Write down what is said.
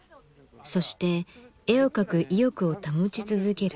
そして絵を描く意欲を保ち続ける。